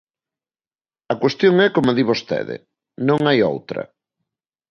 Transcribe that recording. A cuestión é como di vostede, non hai outra.